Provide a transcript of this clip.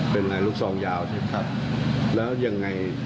เป็นไงลูกซองยาวใช่ป่าไฟต์ครับครับแล้วยังไง